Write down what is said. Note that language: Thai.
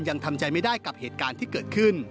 ยังทำใจไม่ได้กับเหตุการณ์ที่เกิดขึ้น